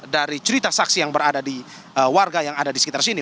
dari cerita saksi yang berada di warga yang ada di sekitar sini